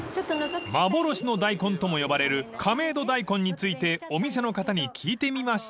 ［幻の大根とも呼ばれる亀戸大根についてお店の方に聞いてみました］